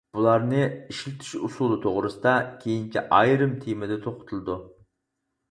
بۇلارنى ئىشلىتىش ئۇسۇلى توغرىسىدا كېيىنچە ئايرىم تېمىدا توختىلىدۇ.